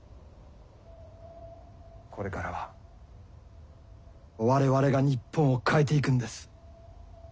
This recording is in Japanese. これからは我々が日本を変えていくんです！